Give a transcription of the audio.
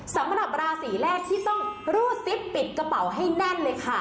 สำหรับราศีแรกที่ต้องรูดซิปปิดกระเป๋าให้แน่นเลยค่ะ